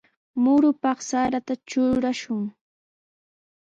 Murupaq sarata trurashun.